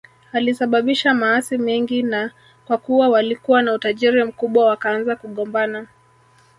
Alisababisha maasi mengi na kwa kuwa walikuwa na utajiri mkubwa wakaanza kugombana